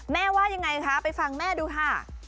ว่ายังไงคะไปฟังแม่ดูค่ะ